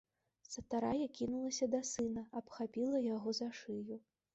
Старая кінулася да сына, абхапіла яго за шыю.